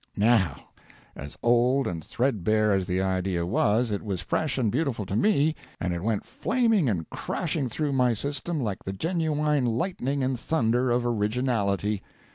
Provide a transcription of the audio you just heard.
NOW, as old and threadbare as the idea was, it was fresh and beautiful to me, and it went flaming and crashing through my system like the genuine lightning and thunder of originality.